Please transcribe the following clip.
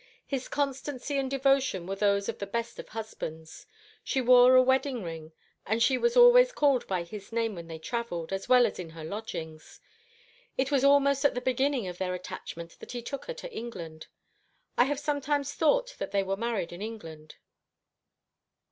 His constancy and devotion were those of the best of husbands. She wore a wedding ring, and she was always called by his name when they travelled, as well as in her lodgings. It was almost at the beginning of their attachment that he took her to England. I have sometimes thought that they were married in England."